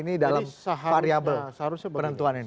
ini dalam variable penentuan ini